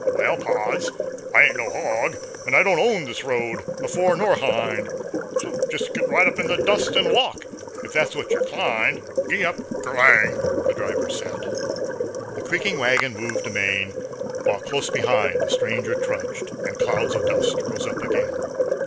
"Wal, pards, I ain't no hog, an' I don't Own this road, afore nor 'hind. So jest git right in the dust An' walk, if that's the way yer 'clined. Gee up, ger lang!" the driver said. The creaking wagon moved amain, While close behind the stranger trudged, And clouds of dust rose up again.